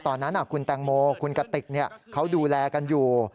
ตอนนั้นคุณแตงโมคุณกติกเขาดูแลกันอยู่